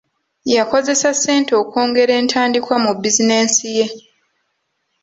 Yakozesa ssente okwongera entandikwa mu bizinesi ye.